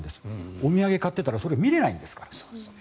お土産を買っていたらそれは見れないんですから。